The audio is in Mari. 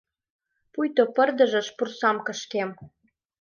Пуйто пырдыжыш пурсам кышкем…